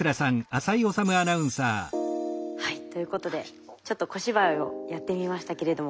はいということでちょっと小芝居をやってみましたけれども。